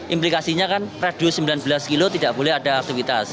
implikasinya kan radio sembilan belas kilo tidak boleh ada aktivitas